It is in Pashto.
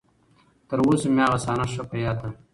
تر اوسه مې هغه صحنه ښه په ياد ده.